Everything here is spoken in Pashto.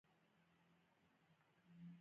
سلطان اجازه ورنه کړه.